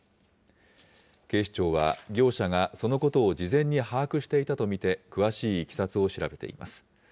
警視庁は、業者がそのことを事前に把握していたと見て、詳しいいきさつを調べています。